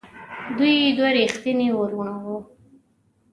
دوی دوه ریښتیني وروڼه وو.